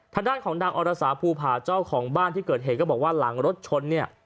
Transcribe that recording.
ทางด้านของนางอรสาภูผาเจ้าของบ้านที่เกิดเหตุก็บอกว่าหลังรถชนเนี่ย